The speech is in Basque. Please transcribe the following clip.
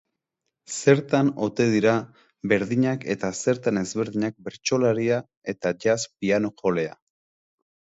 Zertan ote dira berdinak eta zertan ezberdinak bertsolaria eta jazz pianojolea?